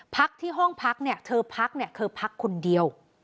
พักที่ห้องพักเธอพักคือพักคนเดียว